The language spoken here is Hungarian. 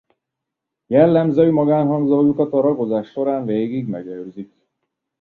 Jellemző magánhangzójukat a ragozás során végig megőrzik.